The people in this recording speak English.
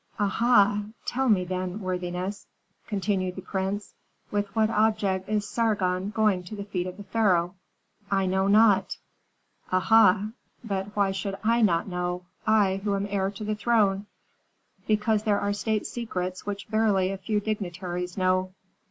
"Aha! Tell me, then, worthiness," continued the prince, "with what object is Sargon going to the feet of the pharaoh?" "I know not." "Aha! But why should I not know, I, who am heir to the throne?" "Because there are state secrets which barely a few dignitaries know."